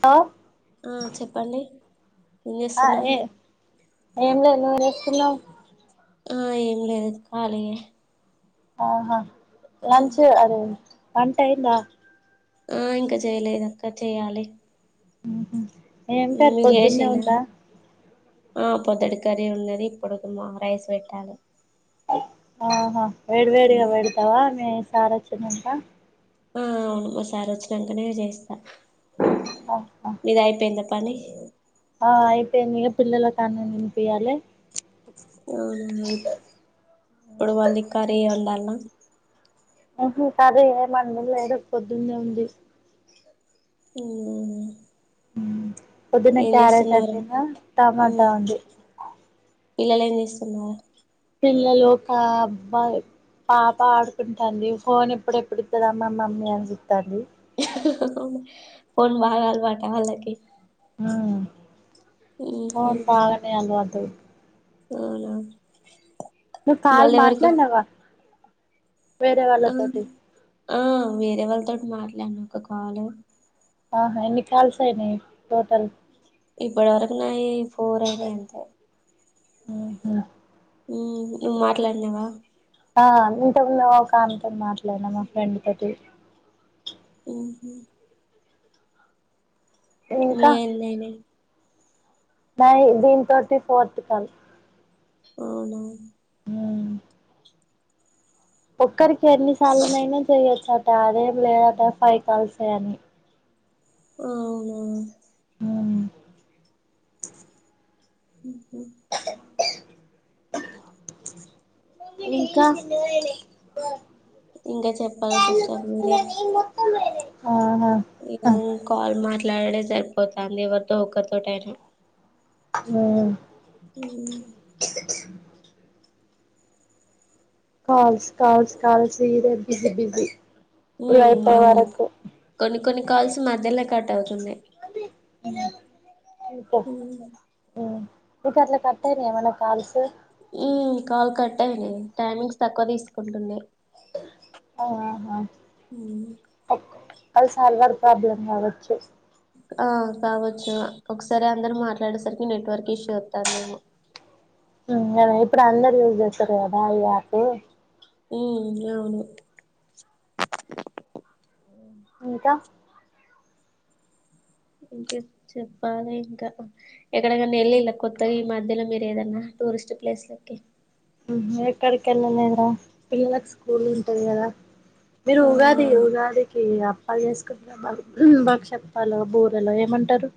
లో ఉమ్ చెప్పండి ఏం ఆ చేస్తున్నారు ఏ ఏం లేదు నువ్వు జేస్తున్నావు ఆ ఏం లేదు ఖాళీయే ఆహా లంచ్ అదే వంన్టైంద ఆ ఇంక చెయలేదక్క చెయ్యాలి ఉహు ఏం కర్రీ మీరు పొద్దున్నే చేసిలా ఉందా ఆ పొధడి కర్రి ఉన్నది ఇప్పుడు రైస్ వెట్టాలె ఆహా వేడి వేడిగా ఉమ్. వెడతావా మీ సార్ వచ్చనంక ఆ అవును మా సార్ వచ్చినకనే చేస్తా ఆహా మీద అయిపోయింద పని, ఆ అయిపోంది ఇగ పిల్లలక అన్నం తినిపియాలె ఇప్పుడు వాళ్ళ కరీ ఉండాల్ నా [unintelligible] ప్రతి పొదుందే ఉంది హమ్ పొద్దున క్యారెట్ అండినా టమాటా ఉంది పిల్లలే ఏం చేస్తున్నార్ పిల్లలు ఒక అబ్బాయి పాప ఆడుకుంటాంది ఫోన్ ఎప్పుడు ఎప్పుడు ఇస్తదా మా మమ్మీ అని చుతాందీ ఫోన్ బా అల్వటా ఆలకి ఫోన్ బాగానే అల్ వాటు అవునా ను కాల్ మళ్ళీ ఎవరికి మాట్లానవా వేరే ఆ వాళ్ళతోటి, ఆ వేరే వాళ్ళతోటి మాట్లాడిన ఒక కాల్ ఆహా ఎన్ని కాల్స్ అయినయ్ టోటల్ ఇప్పటి వరకు నాయి ఫోర్ అయినా ఎంతె [unintelligible] నువ్వు మాట్లాన్నావా ఆ ఇంత ముందు ఒక ఆమెతో మాట్లాడినా మా ఫ్రెండ్ తోటి [unintelligible] మీ [unintelligible] నై దీన్ తోటి ఫోర్త్ కాల్ అవున్న [unintelligible] ఒక్కరికి ఎన్నిసార్లునైనా చెయొచ్చ అట అదేం లేదట ఫైవ్ కాల్స ఏ అని ఆవునా మ్మ్ హమ్ ఇంకా ఇంక చెప్పాల సిస్టర్ మీరే ఆహా కాల్ మాట్లాడుడే సరిపోతంది ఎవరితో ఒక్కరితోటైనా హమ్ మ్ కాల్స్ కాల్స్ కాల్స్ ఇదే బిసి బిసి అవును కొన్ని కొన్ని కాల్స్ మధ్యల్నే కట్ అవుతున్నాయి [unintelligible] ఉమ్, మీకు అట్ల కట్టయినయ ఏమన్నా కాల్స్ కాల్ కట్టేయందీ టైమింగ్స్ తక్కువ తీసుకుంటుంది ఆహా మ్ అది సర్వర్ ప్రాబ్లమ్ కావచ్చు ఆ కావచ్చు ఒకసారి అందరు మాట్లాడేసరికి నెట్వర్క్ ఇష్యూ వతాందేమో ఇప్పుడు అందరు యూజ్ చేస్తారు కదా ఈ యాప్ ఉ అవును ఇంకా ఇంక చెప్పాలి ఇంకా ఎక్కడకనా వెళ్లిలా కొత్తగా ఈ మధ్యలో మీరు ఏదన్నా టూరిస్ట్ ప్లేస్ లోకే ఎక్కడికి వెళ్ళలేదరా పిల్లలకు స్కూల్ ఉంటది కదా మీరు ఉగాది అవునా ఉగాదికి లు చేసుకుంటర బాక్షప్పాలు బూరలు ఏమంటారు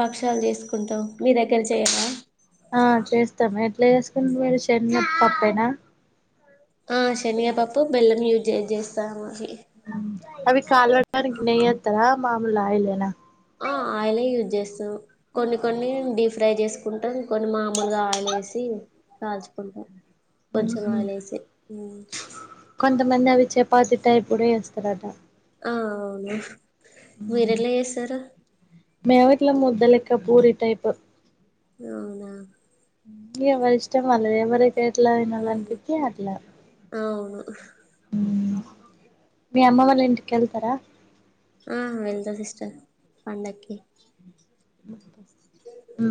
భక్ష్యాలు చేసుకుంటాం మీ దగ్గర చేయార మొత్తం ఎట్లా చేసుకుని మీరు చెన్న పప్పయినా ఆ శనిగపప్పు బెల్లం యూజ్ చేస్తాము అవి అవి కాలవనికి నెయ్యి ఎత్తర మమలా ఆయిల్ ఆ ఆ ఆయిలే యూజ్ చేస్తాం కొన్ని కొన్ని డీప్ ఫ్రై చేసుకుంటాం కొన్ని మామూలుగా ఆయిల్ వసి కాల్చుకుంటాం కొంచం ఊహు ఆయిల్ వేసి కొంతమంది అవి చపాతి టైప్ కూడా చేస్తారట అవును మీరు ఎట్ల చేస్తారూ మేము ఇట్ల ముద్దలక్క పూరి టైపు అవునా ఎవరి ఇష్టం వాళ్ళది ఎవరకి ఎట్ల తినాలి అనిపిస్తే అట్లా అవును మీ అమ్మ వాళ్ళు ఇంటికి వెళ్తారా ఆ వెళ్తా సిస్టర్ పండకి ఆ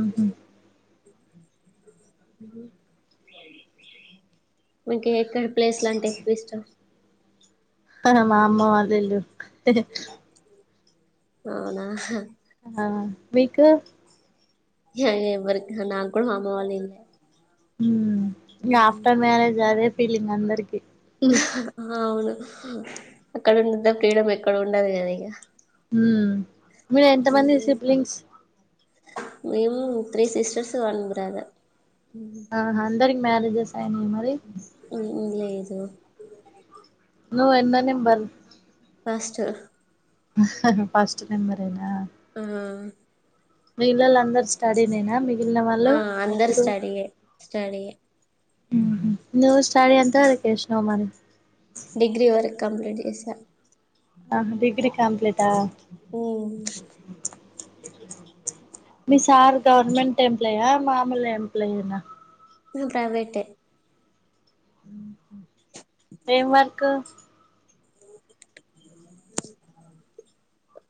మీకు ఎక్కడ ప్లేస్ లు అంటే ఎక్కువ ఇష్టం మా అమ్మ వల్ల ఇల్లు అవునా ఆ మీకు ఎవరికి నాకు కూడా మా అమ్మ వల్ల ఇల్లు ఇంకా ఆఫ్టర్ మ్యారేజ్ అదే ఫీలింగ్ అందరికి అవును అక్కడ ఉన్నంత ఫ్రీడమ్ ఎక్కడ ఉండదు కాద ఇక ఉ మీరు ఎంత మంది సిప్లింగ్స్ మేము త్రీ సిస్టర్స్ వన్ బ్రదర్ ఆ అందరికి మ్యారేజెస్ అయినాయి మరి లేదు నువ్వు ఎన్న నెంబర్ ఫస్ట్ ఫస్ట్ నెంబరెన ఆ మిగిల్లళ అందరు స్టడీ నేనా మిగిలిన వాళ్ళు ఆ అందరు ముగ్గురు స్టడీయే స్టడీయే నువ్ స్టాడీ ఎంత వరకు చేసినావు మరి డిగ్రీ వరకు కంప్లీట్ చేసా ఆ డిగ్రీ కంప్లీట్ ఆ హఓ మీ సార్ గవర్నమెంట్ ఎంప్లయ మామూలు ఎంప్లయనా ప్రైవేట్ ఏం వర్క్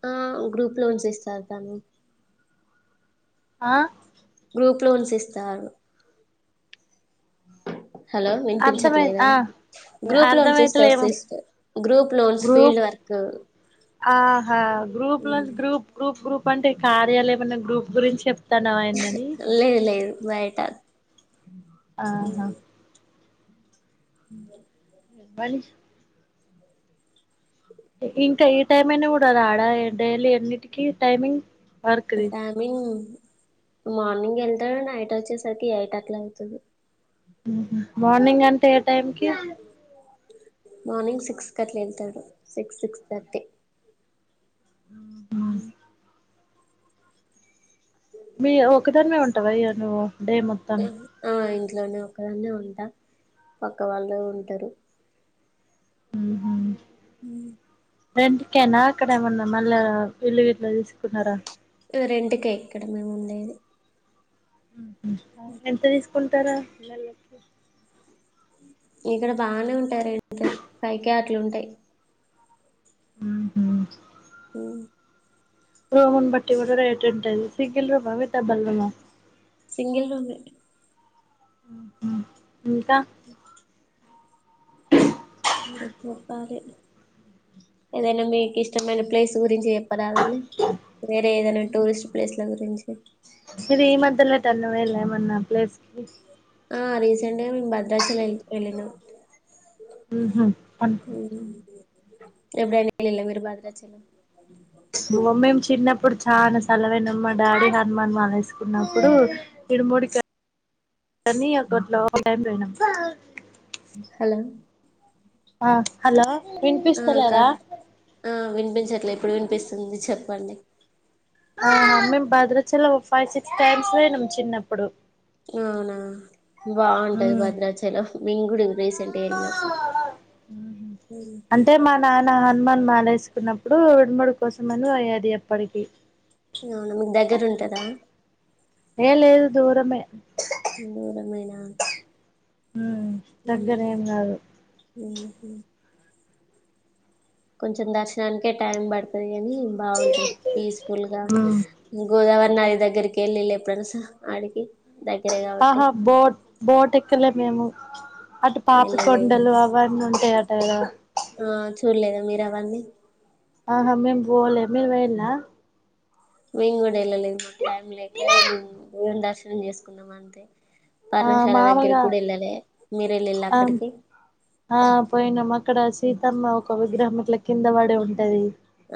ఆ గ్రూప్ లోన్స్ ఇస్తారు తను ఆ గ్రూప్ లోన్స్ ఇస్తారు హలో అర్థమై వినిపించట్లేదా ఆ గ్రూప్ లోన్స్స్టర్ అర్థమైతలేము sys group loans field group work క ఆహా గ్రూప్ లో గ్రూప్ గ్రూప్ గ్రూప్ అంటే కార్యాలయంమన్నా గ్రూప్ గురించి చెప్ లేదు లేదు బయట ఆహా అ మళ్లీ ఇంకా ఈ టైం అయినా కూడా రాడా డైలీ ఎన్నిటికిీ టైమింగ్ వర్క్ది టైమింగ్ మార్నింగ్ వెళ్తాడు నైట్ వచ్చేసరికి ఎయిట్ అట్లా అయితది మార్నింగ్ అంటే ఏ టైంకి మార్నింగ్ సిక్స్ అట్లా వెళ్తాడు సిక్స్ సిక్స్ థర్టీ ఉ మీ ఒకదానిమే ఉంటావ ఇగా నువ్వు డే మొత్తం ఆ ఇంట్లోనే ఒక్కదాన్నే ఉంటా పక్క వాళ్ళు ఉంటారు ఉహూ అ రెంటూకేనా అక్కడ ఏమన్నా మళ్ళా ఇల్లు గిట్ల తీసుకున్నారా రెంటుకే ఇక్కడ మేము ఉండేది ఎంత తీసుకుంటారా నెలకి ఇక్కడ బానే ఉంటాది రెంటు పైకే అట్ల ఉంటాయి ఆహా ఉ రూమ్ నీ బట్టి కూడా రేట్ంటది సిగల్ రూమ్ ఆ అవి డబుల్ రూమ్ ఆ సింగిల్ రూమ్ మే హ్మ్మ్ ఇంకా చెప్పాలే ఏదైనా మీకు ఇష్టమైన ప్లేస్ గురించి చె వలే వేరే ఏదైనా టూరిస్ట్ ప్లేస్ల గురించి ఇది ఈ మధ్యలో ఎట్టన పొయిల ఏమన్నా ప్లేస్కిి ఆ రీసెంట్ గా మేము భద్రాచలం వెళ్లినం ఉ హూ ఎప్పుడు అయినా వెళ్ళిండ్ల మీరు భద్రాచలం మేము చిన్నప్పుడు చా సెలవైనమ్ మా డాడీ హనుమాన్ మాాలసుకున్నప్పుడు ఇరుముడికి నీ అక్కట్లో టైం పోయినాం హలో ఆ హలో ఆ కా వినిపిస్తలేదా ఆ వినిపించట్లే ఎప్పుడు వినిపిస్తుంది చెప్పండి ఆ మేము భద్రాచలం ఒక ఫైవ్ సిక్స్ టైమ్స్ పోయినాం చిన్నప్పుడు అవునా బాగుంటది భద్రాచలం మింగడి రేసి హుమ్మ్ అంటే మా నాన్న నా హనుమాన్ మాలేసుకున్నప్పుడు ఇరుముడి కోసమని పోయ్యేది ఎప్పటికి అవునా మీకు దగ్గర ఉంటదా ఏ లేదు దూరమే ఆను ఉమ్ ఉహు దగ్గరేం కాదు ఉ హు కొంచెం దర్శనానికే టైం పడుతది కానీ బాగుంటది పీస్ఫుల్ గా ఉమ్ గోదావరి నది దగ్గరికి వెళ్ళిళ ఎప్పుడనా స ఆడికి దగ్గరే కాబట్టి ఆహా బోట్ బోట్ ఎక్కలే మేము అటు పాపి వెళ్ళలేదు కొొండలు అవన్నీ ఉంటాయట గాదా ఆ చూడలేద మీరు అవన్నీ ఆహా మ మీము బోలే మీరూ పోయిండ్ల మేము కూడా వెళ్ళలేదు మాకు టైం లేక మేము ద దర్శనం చేసుకున్నాం అంతే ఆ పాఠణశాల దగ్గరకి మామూలుగా కూడా వెళ్ళాలే మీర వెళ్ళిళ్ళ ఆ అక్కడికి ఆ పోయినాం అక్కడ సీతమ్మ ఒక విగ్రహం ఇట్లా కింద పడే ఉంటది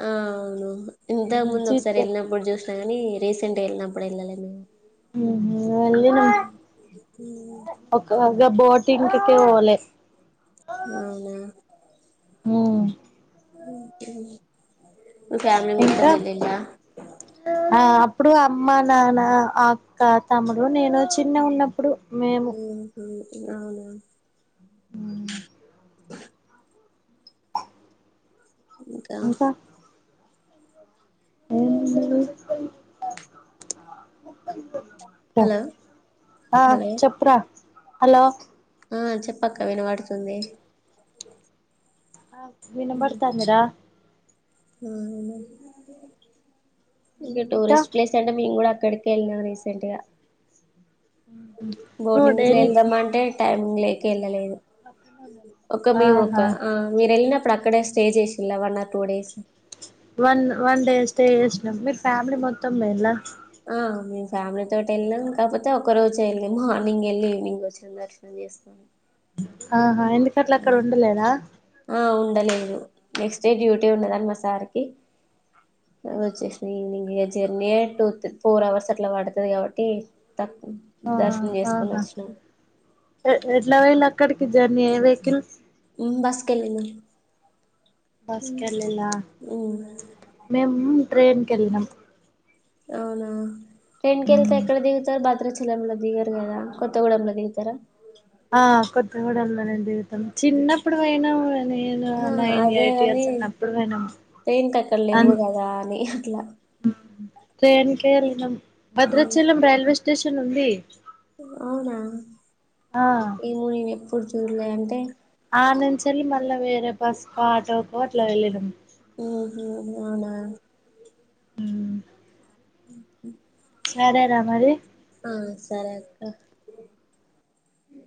ఆ అవును ఇంత ముందు ఒకసారి చూత్తే వెళ్ళినప్పుడు చూసిన కాని రీసెంట్ గ వెళ్ళినప్పుడు వెళ్ళలే మేము వెళినామ్ ఒక ఇకా బోటింగ్ కికే పోలే అవునా హు ఉక ఇంకా ఆ అప్పుడు అమ్మ నాన్న అక్క తముడు నేను చిన్న గ ఉన్నప్పుడు మేము అవున ఇంకా ఇంక ఏ హలో ఆ హలో చెప్పురా హలో ఆ చెప్పక్క విన వాడుతుంది ఆ వినబడతాంది ర ఇక ఇంకా టూరిస్ట్ ప్లేస్ అంటే మేం కూడ అక్కడి కే వెళ్ళిన రీసెంట్ గ నువ్వు బోర్డింగ్ ఇట్లా డైలీ వెళ్దామ అంటే టైమింగ్ లేక వెళ్ళలేదు ఒక మేము ఒక ఆహా ఆ మీరు వెళ్ళినప్పు ఇప్పుడు అక్కడే స్టే చేసిలా one or two days one one day stay చేసినాం మీ ఫ్యామిలీ మొత్తం [unintelligible] ఆ మేము ఫ్యామిలీ తోటి వెళ్ళాం కాకపోతే ఒక రోజు వెళ్ళి మార్నింగ్ వెళ్ళి ఈవినింగ్ వచ్చినాం దర్శనం చేసుకొని ఆహా ఎందుకట్లా అక్కడ ఉండలేద ఆ ఉండలేదు నెక్స్ట్ డే డ్యూటీ ఉండదని మా సార్కి వచ్చేసా evening journey two four hours అట్లా పడతుది కాబట్టి తక్కువ ఆ దర్శనం చేసుకొని ఆహా వచ్చినాం ఎట్లా వెేళ అక్కడికి జర్నీ ఏ వెహకిల్ బస్ కెళ్ళినం బస్ కెళ్ళలా మేము ట్రైన్ కెళ్ళినం అవునా ట్రైన్ కెల్తే ఎక్కడ దిగుతారు [unintelligible] [unintelligible] దిగరు కదా కొత్తగూడెంలో దిగుతారా ఆ కొత్త గూడెం లోనే దిగుతం చిన్నప్పుడు పోయినా నేను ఆ నైన్ అదే ఎయిట్ కాని ఇయర్స్ ఉన్నప్పుడు పోయినామ్ ట్రైన్ కి అక్కడ లేవ్వు కదా అని అట్లా ట్రైన్ కె వెళ్ళినామ్ భద్రాచలం రైల్వే స్టేషన్ ఉంది అవునా ఆ ఏమో నేను ఎప్పుడు చూడలే అంటే ఆ నుంచి ఎల్లి మళ్ళీ వేరే బస్సుకో ఆటోకో అట్లా వెళ్లినం హు హూ అవునా అ సరే ర మరి ఆ సరే అక్క